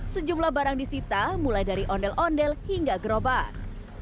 sejumlah barang disita mulai dari ondel ondel hingga gerobak